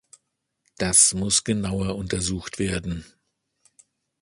Das muss genauer untersucht werden.